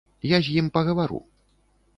Я з ім пагавару.